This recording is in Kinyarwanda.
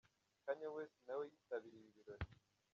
Kanye West nawe yitabiriye ibi birori.